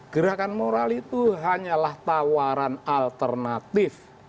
gerakan moral itu hanyalah tawaran alternatif